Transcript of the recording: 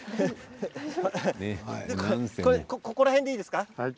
ここら辺で、いいですか。